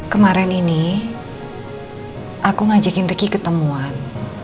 kemarin ini aku ngajakin ricky ketemuan